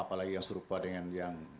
apalagi yang serupa dengan yang